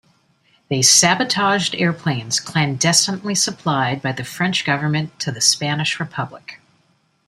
They sabotaged airplanes clandestinely supplied by the French government to the Spanish Republic.